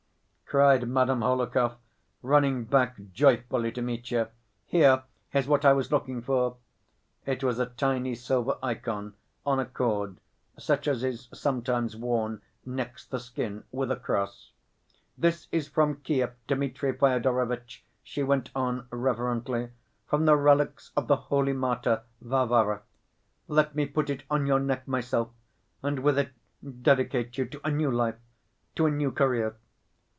cried Madame Hohlakov, running back joyfully to Mitya, "here is what I was looking for!" It was a tiny silver ikon on a cord, such as is sometimes worn next the skin with a cross. "This is from Kiev, Dmitri Fyodorovitch," she went on reverently, "from the relics of the Holy Martyr, Varvara. Let me put it on your neck myself, and with it dedicate you to a new life, to a new career."